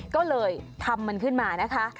ก็เลยทำมันขึ้นมานะคะ